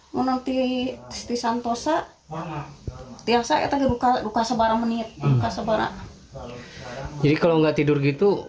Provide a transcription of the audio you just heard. ngelakuin stisantosa biasa itu juga luka sebarang menit luka sebarang jadi kalau nggak tidur gitu